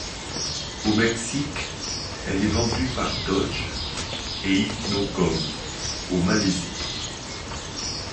Au Mexique, elle est vendue par Dodge et Inokom au Malaisie.